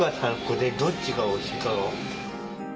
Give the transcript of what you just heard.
これどっちがおいしい。